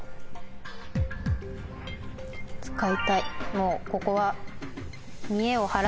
もうここは。